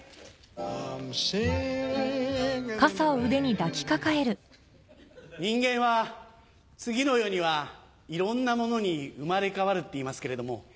『Ｓｉｎｇｉｎ’ｉｎｔｈｅＲａｉｎ』人間は次の世にはいろんなものに生まれ変わるっていいますけれども。